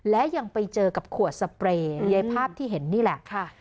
และยังไปเจอกับขวดสเปรย์ในภาพที่เห็นนี่แหละค่ะ